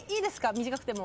短くても。